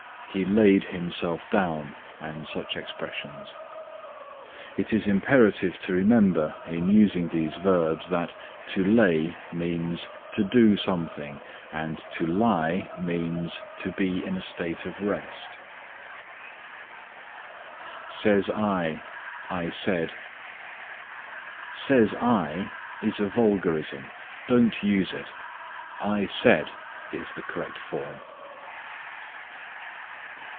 "He laid himself down" and such expressions. It is imperative to remember in using these verbs that to lay means to do something, and to lie means to be in a state of rest. SAYS I I SAID "Says I" is a vulgarism; don't use it. "I said" is correct form.